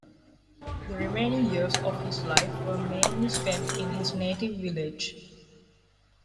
The remaining years of his life were mainly spent in his native village.